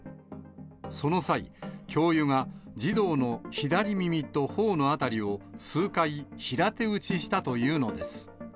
その際、教諭が児童の左耳と頬の辺りを数回、平手打ちしたというのです。